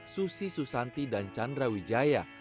susi susanti dan chandra wijaya